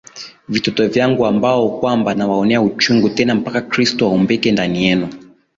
Vitoto vyangu ambao kwamba nawaonea uchungu tena mpaka Kristo aumbike ndani yenu